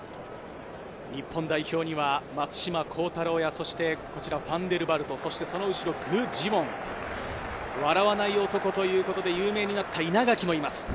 日本代表には松島幸太朗やファンデルヴァルト、グ・ジウォン、笑わない男ということで有名になった稲垣もいます。